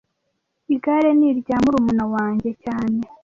Igare ni irya murumuna wanjye cyane